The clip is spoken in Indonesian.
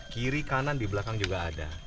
kiri kanan di belakang juga ada